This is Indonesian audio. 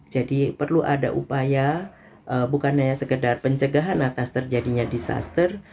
jadi perlu ada upaya bukan hanya sekedar pencegahan atas terjadinya disaster